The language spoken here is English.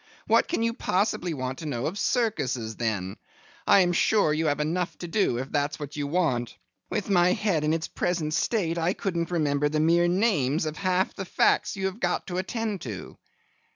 What can you possibly want to know of circuses then? I am sure you have enough to do, if that's what you want. With my head in its present state, I couldn't remember the mere names of half the facts you have got to attend to.